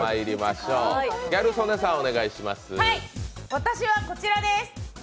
私はこちらです。